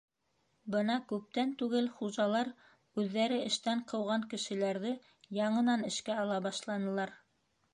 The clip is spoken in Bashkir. Бына күптән түгел хужалар үҙҙәре эштән ҡыуған кешеләрҙе яңынан эшкә ала башланылар.